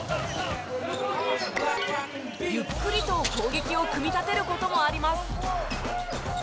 ゆっくりと攻撃を組み立てる事もあります。